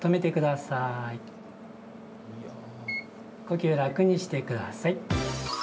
呼吸、楽にしてください。